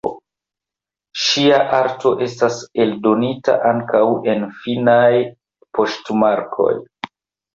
Ŝia arto estas eldonita ankaŭ en finnaj poŝtmarkoj.